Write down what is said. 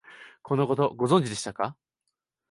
このこと、ご存知でしたか？